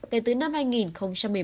kể từ năm hai nghìn một mươi bốn